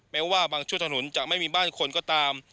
แม้ว่าบางชั่วถนนจะไม่มีบ้านคนก็ตาม